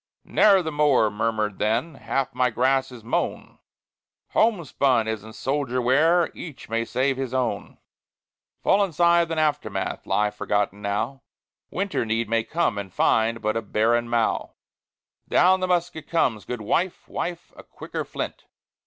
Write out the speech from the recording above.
Ne'er the mower murmured then, "Half my grass is mown, Homespun isn't soldier wear, Each may save his own." Fallen scythe and aftermath Lie forgotten now; Winter need may come and find But a barren mow. Down the musket comes. "Good wife, Wife, a quicker flint!"